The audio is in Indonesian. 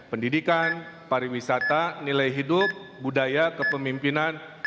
pendidikan pariwisata nilai hidup budaya kepemimpinan